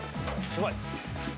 すごい！